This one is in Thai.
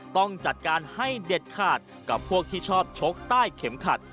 ต้องจัดการให้เด็ดขาดกับพวกที่ชอบชกใต้เข็มขัด